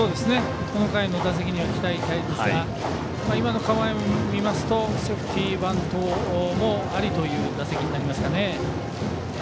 この回の打席には期待したいですが構えを見ますとセーフティーバントもありという打席になりますかね。